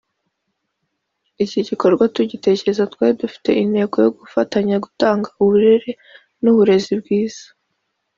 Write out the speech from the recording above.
iki gikorwa tugitekereza twari dufite intego yo gufatanya gutanga uburere n’uburezi bwiza